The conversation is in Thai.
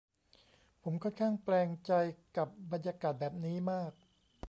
ผมค่อนข้างแปลงใจกับบรรยากาศแบบนี้มาก